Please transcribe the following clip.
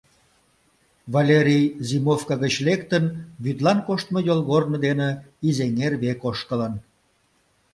Валерий, зимовка гыч лектын, вӱдлан коштмо йолгорно дене Изеҥер век ошкылын.